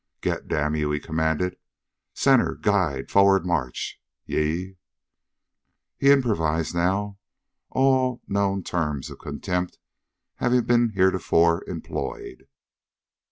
"Git, damn ye!" he commanded. "Center, guide! Forrerd, march! Ye " He improvised now, all known terms of contempt having been heretofore employed.